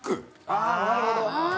ああーなるほど。